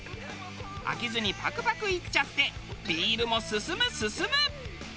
飽きずにパクパクいっちゃってビールも進む進む！